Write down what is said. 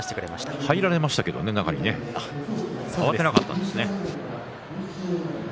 中に入られましたけどね慌てなかったんですね。